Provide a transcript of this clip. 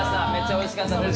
おいしかったです。